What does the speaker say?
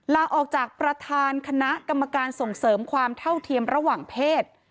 ลาออกจากประธานคณะกรรมการส่งเสริมความเท่าเทียมระหว่างเพศ